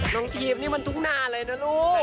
น้องทีมนี่มันทุ่งนาเลยนะลูก